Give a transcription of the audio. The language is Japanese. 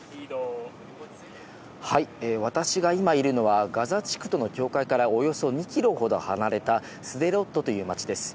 私が今いるのは、ガザ地区との境界からおよそ２キロほど離れたスデロットという町です。